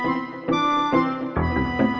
sampai ketemu lagi